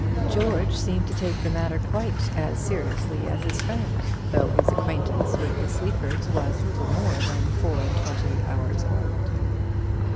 George seemed to take the matter quite as seriously as his friend, though his acquaintance with the Sleafords was little more than four and twenty hours old.